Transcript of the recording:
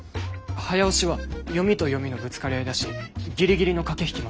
早押しは読みと読みのぶつかり合いだしギリギリの駆け引きもスリルがある。